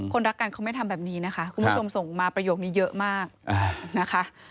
รักกันเขาไม่ทำแบบนี้นะคะคุณผู้ชมส่งมาประโยคนี้เยอะมากนะคะ